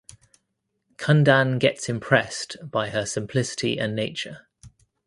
Kundan gets impressed by her simplicity and nature.